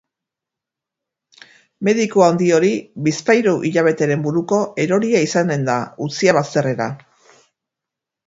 Mediku handi hori, bizpahiru hilabeteren buruko, eroria izanen da, utzia bazterrera.